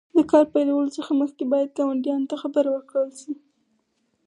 د کار پیلولو څخه مخکې باید ګاونډیانو ته خبر ورکړل شي.